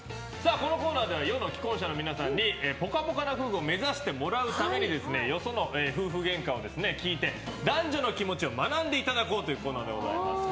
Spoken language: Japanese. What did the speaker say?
このコーナーでは世の既婚者の皆さんにぽかぽかな夫婦を目指してもらうためにですねよその夫婦ゲンカを聞いて男女の気持ちを学んでいただこうというコーナーでございます。